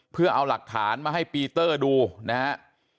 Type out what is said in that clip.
เพื่อเอาหลักฐานมาให้ปีเตอร์ดูนะฮะ